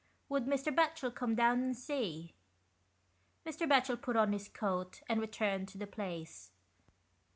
Would Mr. Batchel come down and see ? Mr. Batchel put on his coat and returned to the place.